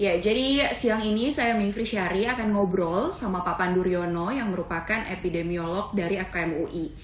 ya jadi siang ini saya mingfri syari akan ngobrol sama papa nduryono yang merupakan epidemiolog dari fkm ui